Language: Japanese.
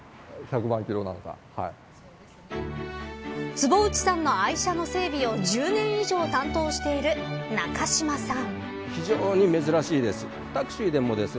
坪内さんの愛車の整備を１０年以上担当している中島さん。